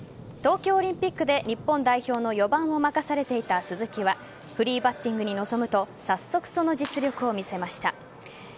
東京オリンピックで日本代表の４番を任されていた鈴木はフリーバッティングに臨むと早速、その実力を見せました。